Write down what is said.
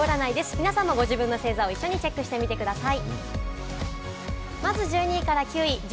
皆さまもご自分の星座を一緒にチェックしてみてください。